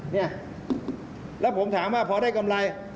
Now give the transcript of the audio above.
เนี่ยแล้วผมถามว่าพอได้กำไร